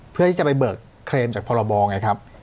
เพื่อที่จะไปเบิกเครมจากพรบไงครับ